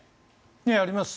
あります。